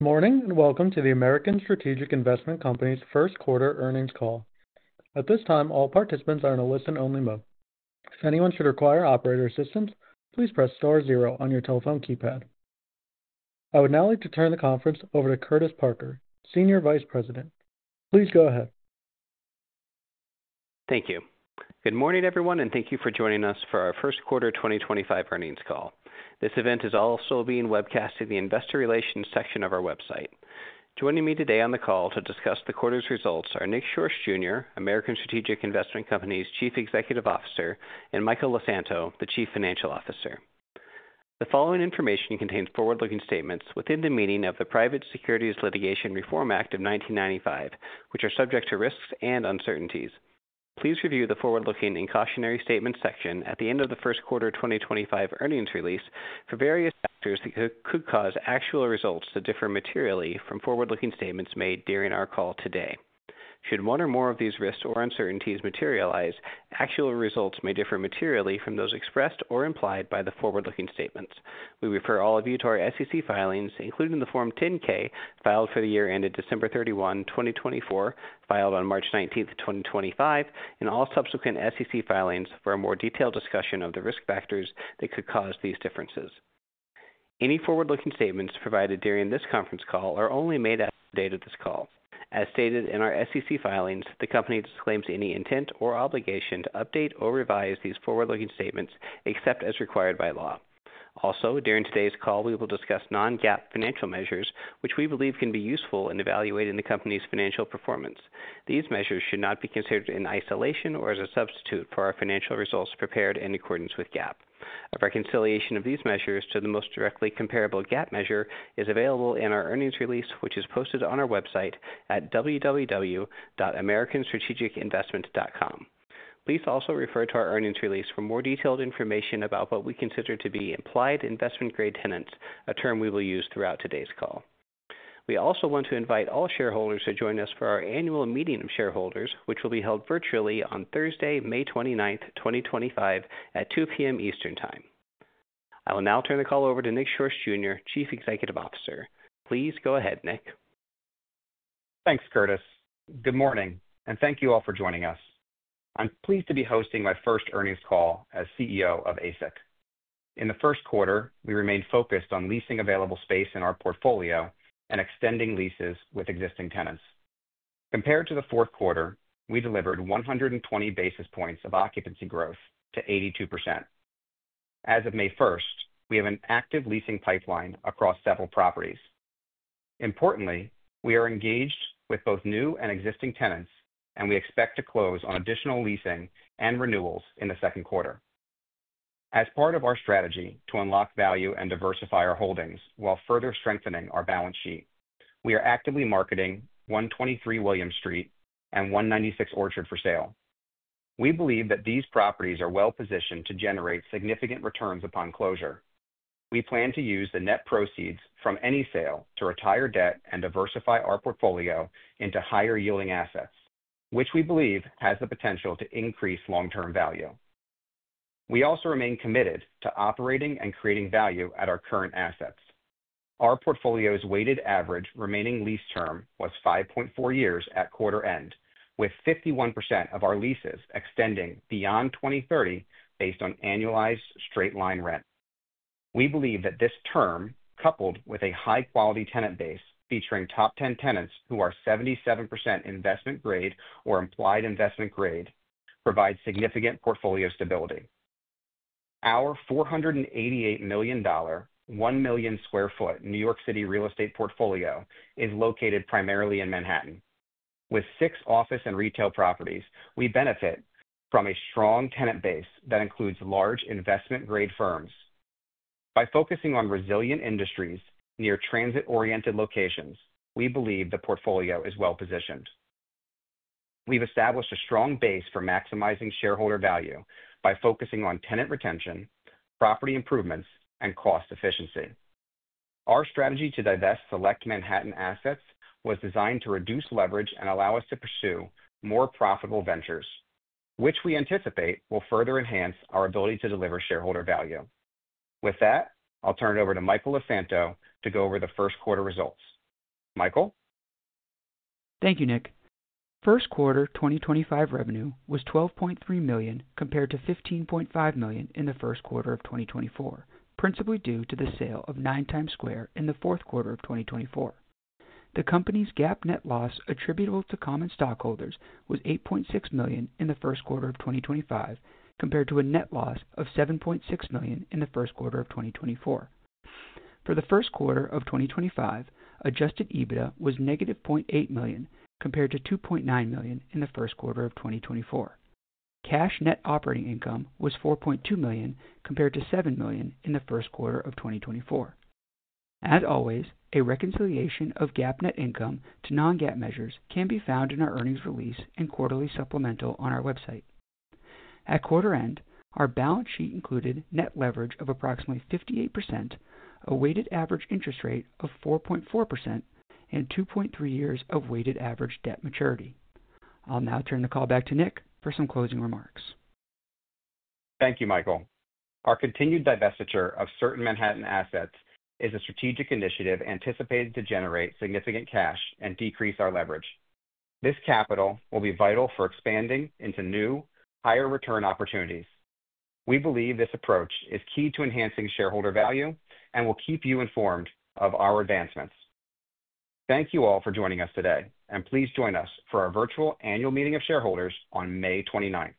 Morning, and welcome to the American Strategic Investment Company's first quarter earnings call. At this time, all participants are in a listen-only mode. If anyone should require operator assistance, please press star zero on your telephone keypad. I would now like to turn the conference over to Curtis Parker, Senior Vice President. Please go ahead. Thank you. Good morning, everyone, and thank you for joining us for our first quarter 2025 earnings call. This event is also being webcast to the investor relations section of our website. Joining me today on the call to discuss the quarter's results are Nick Schorsch Jr., American Strategic Investment Co.'s Chief Executive Officer, and Michael LeSanto, the Chief Financial Officer. The following information contains forward-looking statements within the meaning of the Private Securities Litigation Reform Act of 1995, which are subject to risks and uncertainties. Please review the forward-looking and cautionary statements section at the end of the first quarter 2025 earnings release for various factors that could cause actual results to differ materially from forward-looking statements made during our call today. Should one or more of these risks or uncertainties materialize, actual results may differ materially from those expressed or implied by the forward-looking statements. We refer all of you to our SEC filings, including the Form 10-K filed for the year ended December 31, 2024, filed on March 19, 2025, and all subsequent SEC filings for a more detailed discussion of the risk factors that could cause these differences. Any forward-looking statements provided during this conference call are only made as of the date of this call. As stated in our SEC filings, the company disclaims any intent or obligation to update or revise these forward-looking statements except as required by law. Also, during today's call, we will discuss non-GAAP financial measures, which we believe can be useful in evaluating the company's financial performance. These measures should not be considered in isolation or as a substitute for our financial results prepared in accordance with GAAP. A reconciliation of these measures to the most directly comparable GAAP measure is available in our earnings release, which is posted on our website at www.americanstrategicinvestment.com. Please also refer to our earnings release for more detailed information about what we consider to be implied investment-grade tenants, a term we will use throughout today's call. We also want to invite all shareholders to join us for our annual meeting of shareholders, which will be held virtually on Thursday, May 29, 2025, at 2:00 P.M. Eastern Time. I will now turn the call over to Nick Schorsch, Jr., Chief Executive Officer. Please go ahead, Nick. Thanks, Curtis. Good morning, and thank you all for joining us. I'm pleased to be hosting my first earnings call as CEO of ASIC. In the first quarter, we remained focused on leasing available space in our portfolio and extending leases with existing tenants. Compared to the fourth quarter, we delivered 120 basis points of occupancy growth to 82%. As of May 1, we have an active leasing pipeline across several properties. Importantly, we are engaged with both new and existing tenants, and we expect to close on additional leasing and renewals in the second quarter. As part of our strategy to unlock value and diversify our holdings while further strengthening our balance sheet, we are actively marketing 123 Williams Street and 196 Orchard for sale. We believe that these properties are well-positioned to generate significant returns upon closure. We plan to use the net proceeds from any sale to retire debt and diversify our portfolio into higher-yielding assets, which we believe has the potential to increase long-term value. We also remain committed to operating and creating value at our current assets. Our portfolio's weighted average remaining lease term was 5.4 years at quarter end, with 51% of our leases extending beyond 2030 based on annualized straight-line rent. We believe that this term, coupled with a high-quality tenant base featuring top-ten tenants who are 77% investment-grade or implied investment grade, provides significant portfolio stability. Our $488 million, 1 million sq ft New York City real estate portfolio is located primarily in Manhattan. With six office and retail properties, we benefit from a strong tenant base that includes large investment-grade firms. By focusing on resilient industries near transit-oriented locations, we believe the portfolio is well-positioned. We've established a strong base for maximizing shareholder value by focusing on tenant retention, property improvements, and cost efficiency. Our strategy to divest select Manhattan assets was designed to reduce leverage and allow us to pursue more profitable ventures, which we anticipate will further enhance our ability to deliver shareholder value. With that, I'll turn it over to Michael LeSanto to go over the first quarter results. Michael? Thank you, Nick. First quarter 2025 revenue was $12.3 million compared to $15.5 million in the first quarter of 2024, principally due to the sale of Nine Times Square in the fourth quarter of 2024. The company's GAAP net loss attributable to common stockholders was $8.6 million in the first quarter of 2025, compared to a net loss of $7.6 million in the first quarter of 2024. For the first quarter of 2025, adjusted EBITDA was negative $0.8 million compared to $2.9 million in the first quarter of 2024. Cash net operating income was $4.2 million compared to $7 million in the first quarter of 2024. As always, a reconciliation of GAAP net income to non-GAAP measures can be found in our earnings release and quarterly supplemental on our website. At quarter end, our balance sheet included net leverage of approximately 58%, a weighted average interest rate of 4.4%, and 2.3 years of weighted average debt maturity. I'll now turn the call back to Nick for some closing remarks. Thank you, Michael. Our continued divestiture of certain Manhattan assets is a strategic initiative anticipated to generate significant cash and decrease our leverage. This capital will be vital for expanding into new, higher-return opportunities. We believe this approach is key to enhancing shareholder value and will keep you informed of our advancements. Thank you all for joining us today, and please join us for our virtual annual meeting of shareholders on May 29.